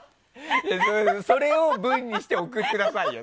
それを文にして送ってくださいよ。